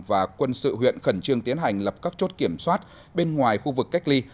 và quân sự huyện khẩn trương tiến hành lập các chốt kiểm soát bên ngoài khu vực cách ly